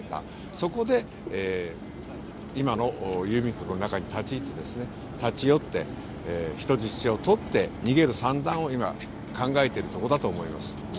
そこで今の郵便局の中に立ち寄って人質を取って逃げる算段を今考えているところだと思います。